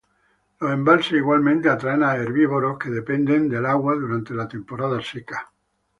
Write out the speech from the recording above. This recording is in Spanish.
Los embalses igualmente atraen a herbívoros que dependen del agua durante la temporada seca.